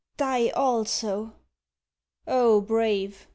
Die also!' 'Oh brave!'